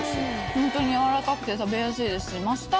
ホントに軟らかくて食べやすいですし。